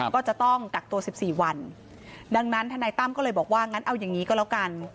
ก็จะต้องกักตัว๑๔วันดังนั้นทนายตั้มก็เลยบอกว่างั้นเอาอย่างนี้ก็แล้วกัน